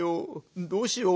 どうしよう？